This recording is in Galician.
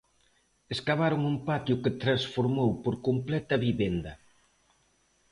Escavaron un patio que transformou por completo a vivenda.